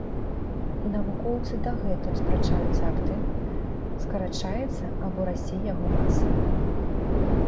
Навукоўцы дагэтуль спрачаюцца аб тым, скарачаецца або расце яго маса.